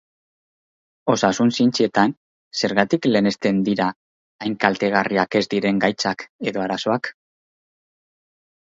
Osasun-zientzietan, zergatik lehenesten dira hain kaltegarriak ez diren gaitzak edo arazoak?